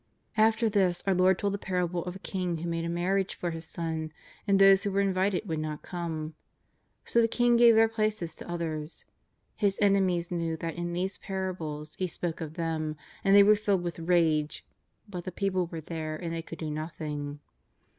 After this our Lord told the parable of a king who made a marriage for his son, and those who were in vited would not come. So the king gave their places to others. His enemies knew that in these parables 318 JESUS OF NAZARETH^^ lie spoke of them, and tliey were filled with rage ; but the people were there and they could do nothing.